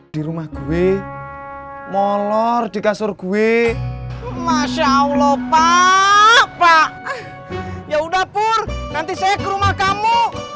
di rumah gue molor di kasur gue masya allah pak pak ya udah pur nanti saya ke rumah kamu